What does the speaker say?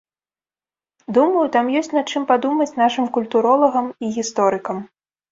Думаю, там ёсць над чым падумаць нашым культуролагам і гісторыкам.